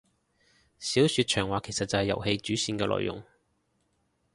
小說長話其實就係遊戲主線嘅內容